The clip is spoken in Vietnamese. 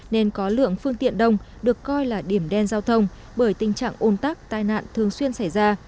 nên có lượng phương tiện đông được coi là điểm đen giao thông bởi tình trạng ôn tắc tai nạn thường xuyên xảy ra